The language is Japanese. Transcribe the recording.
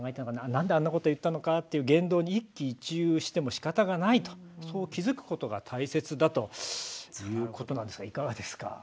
何であんなこと言ったのかっていう言動に一喜一憂してもしかたがないとそう気付くことが大切だということなんですがいかがですか？